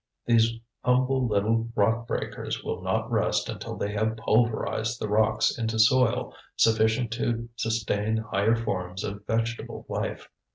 These humble little rock breakers will not rest until they have pulverized the rocks into soil sufficient to sustain higher forms of vegetable life.